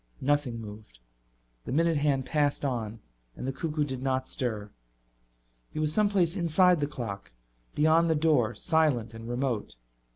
Nothing moved. The minute hand passed on and the cuckoo did not stir. He was someplace inside the clock, beyond the door, silent and remote.